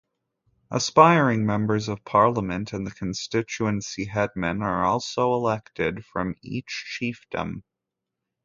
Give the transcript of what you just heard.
Aspiring Members of Parliament and the constituency Headman are also elected from each chiefdom.